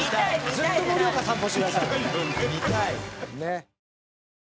ずっと盛岡散歩してください。